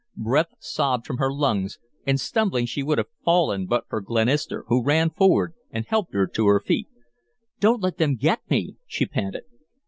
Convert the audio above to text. Breath sobbed from her lungs, and, stumbling, she would have fallen but for Glenister, who ran forward and helped her to her feet. "Don't let them get me," she panted.